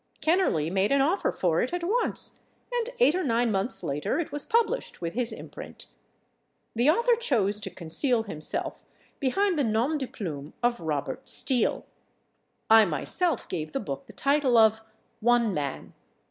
Kennerley made an offer for it at once, and eight or nine months later it was published with his imprint. The author chose to conceal himself behind the nom de plume of Robert Steele; I myself gave the book the title of "One Man."